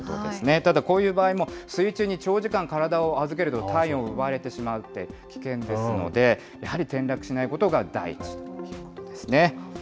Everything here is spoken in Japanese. ただ、こういう場合も、水中に長時間体を預けると、体温を奪われてしまって危険ですので、やはり転落しないことが第一ということですね。